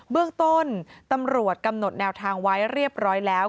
เบื้องต้นตำรวจกำหนดแนวทางไว้เรียบร้อยแล้ว